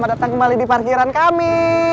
datang kembali di parkiran kami